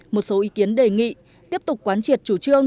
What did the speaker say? một số ý kiến đề nghị tiếp tục quán triệt chủ trương